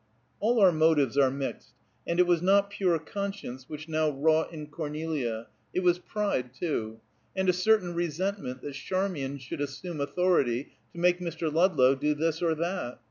All our motives are mixed, and it was not pure conscience which now wrought in Cornelia. It was pride, too, and a certain resentment that Charmian should assume authority to make Mr. Ludlow do this or that.